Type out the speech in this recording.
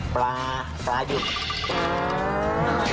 ปลาปลาหยุด